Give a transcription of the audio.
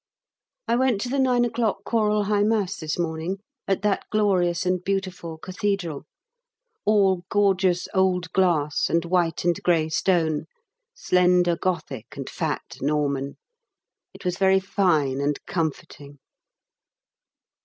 I went to the 9 o'clock Choral High Mass this morning at that glorious and beautiful Cathedral all gorgeous old glass and white and grey stone, slender Gothic and fat Norman. It was very fine and comforting.